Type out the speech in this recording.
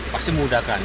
pasti mudah kan